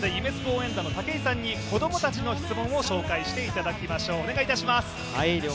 応援団の武井さんに、子供たちの質問を紹介していただきましょう。